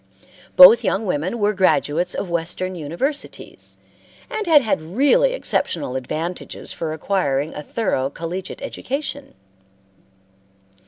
Both young women were graduates of Western universities, and had had really exceptional advantages for acquiring a thorough collegiate education.